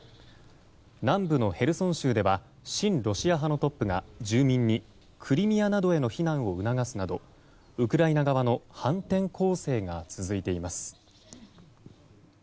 南部のヘルソン州では親ロシア派のトップが住民にクリミアなどへの避難を促すなどウクライナ側の反転攻勢が続いています。